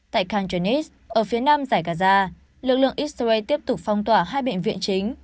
tại khantanis ở phía nam giải gaza lực lượng israel tiếp tục phong tỏa hai bệnh viện chính